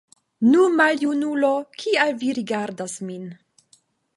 Nu, maljunulo, kial vi rigardas min?